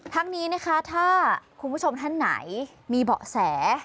ทั้งนี้นะคะถ้าคุณผู้ชมท่านไหนมีเบาะแส